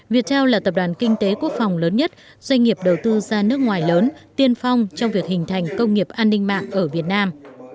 viettel là tập đoàn kinh tế quốc phòng lớn nhất doanh nghiệp đầu tư ra nước ngoài lớn tiên phong trong việc hình thành công nghiệp an ninh mạng ở việt nam